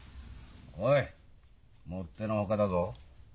おいもっての外だぞ。